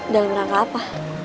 dalam rangka apa